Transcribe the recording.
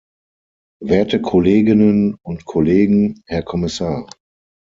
Werte Kolleginnen und Kollegen, Herr Kommissar!